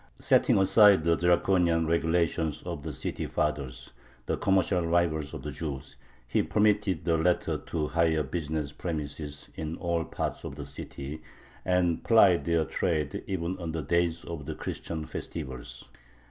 Setting aside the draconian regulations of the city fathers, the commercial rivals of the Jews, he permitted the latter to hire business premises in all parts of the city and ply their trade even on the days of the Christian festivals.